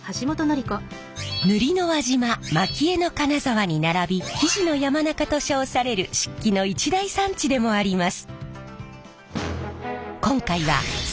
塗りの輪島蒔絵の金沢に並び木地の山中と称される漆器の一大産地でもあります。